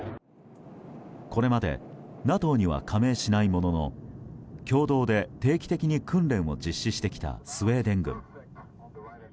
これまでＮＡＴＯには加盟しないものの共同で定期的に訓練を実施してきたスウェーデン軍。